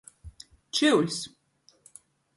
Čyuļs.